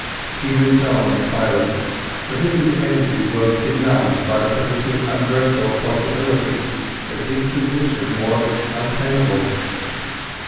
He moved on in silence, as if his energies were benumbed by the hitherto undreamt of possibility that his position was untenable.